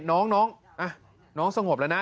น้องน้องสงบแล้วนะ